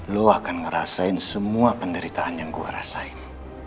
lu akan ngerasain semua penderitaan yang gua rasain